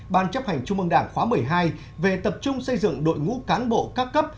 ban chấp hành trung ương đảng khóa một mươi hai về tập trung xây dựng đội ngũ cán bộ các cấp